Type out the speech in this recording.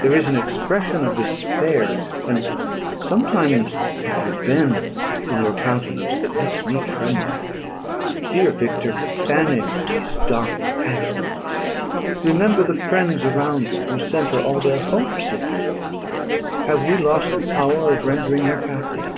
There is an expression of despair, and sometimes of revenge, in your countenance, that makes me tremble. Dear Victor, banish these dark passions. Remember the friends around you, who centre all their hopes in you. Have we lost the power of rendering you happy?